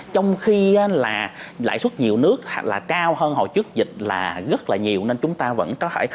trong khi là lãi suất nhiều nước là cao hơn hồi trước dịch là rất là nhiều nên chúng ta vẫn có thể